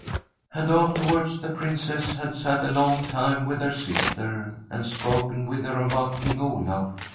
' And afterwards the Princess had sat a long time with her sister, and spoken with her about King Olaf.